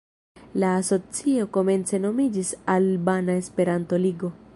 La asocio komence nomiĝis Albana Esperanto-Ligo.